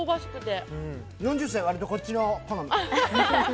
４０歳、割とこっちが好み。